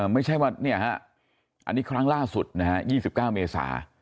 ไม่ใช่ว่าเนี่ยนะครั้งล่าสุดนะฮะ๒๙เมษฑา